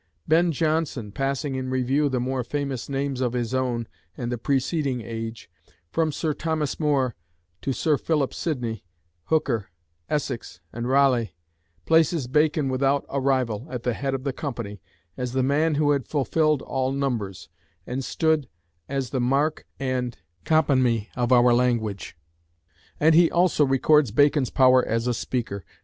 Ben Jonson, passing in review the more famous names of his own and the preceding age, from Sir Thomas More to Sir Philip Sidney, Hooker, Essex, and Raleigh, places Bacon without a rival at the head of the company as the man who had "fulfilled all numbers," and "stood as the mark and [Greek: akmê] of our language." And he also records Bacon's power as a speaker.